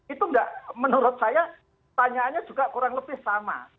itu nggak menurut saya tanyaannya juga kurang lebih sama